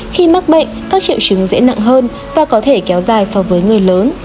khi mắc bệnh các triệu chứng dễ nặng hơn và có thể kéo dài so với người lớn